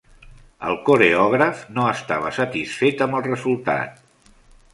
El coreògraf no estava satisfet amb el resultat.